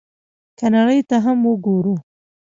که نړۍ ته هم وګورو،